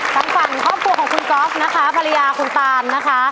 ทางฝั่งครอบครัวของคุณก๊อฟนะคะภรรยาคุณตานนะคะ